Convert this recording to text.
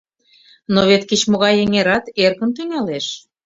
— Но вет кеч-могай эҥерат эркын тӱҥалеш...